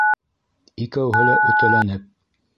Икәүһе лә өтәләнеп: